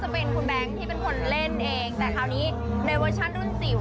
เป็นตัวของน้ำเบ้งค่ะน้ำเบ้งเกินเตรียม